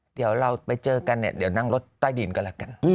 เดี๋ยวเราไปเจอกันนั่งรถใต้ดรีนกันกัน